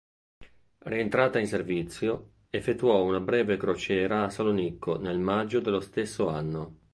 Rientrata in servizio effettuò una breve crociera a Salonicco nel maggio dello stesso anno.